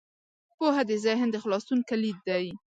پوهه د ذهن د خلاصون کلید دی.